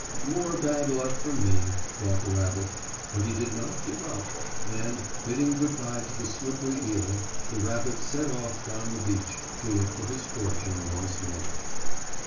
"More bad luck for me," thought the rabbit, but he did not give up, and, bidding good by to the slippery eel the rabbit set off down the beach to look for his fortune once more.